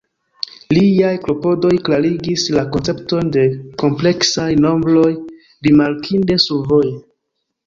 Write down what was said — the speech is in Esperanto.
Liaj klopodoj klarigis la koncepton de kompleksaj nombroj rimarkinde survoje.